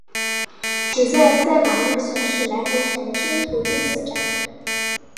只在赛马日行驶来回程均途经此站。